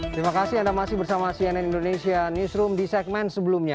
terima kasih anda masih bersama cnn indonesia newsroom di segmen sebelumnya